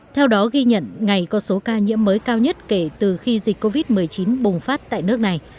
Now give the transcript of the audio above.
theo đó ghi nhận ngày có số ca nhiễm mới cao nhất kể từ khi dịch covid một mươi chín bùng phát tại nước này